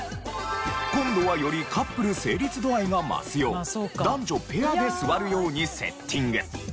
今度はよりカップル成立度合いが増すよう男女ペアで座るようにセッティング。